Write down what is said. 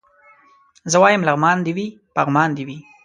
زه وايم لغمان دي وي پغمان دي وي